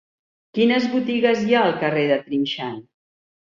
Quines botigues hi ha al carrer de Trinxant?